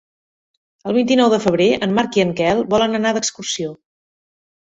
El vint-i-nou de febrer en Marc i en Quel volen anar d'excursió.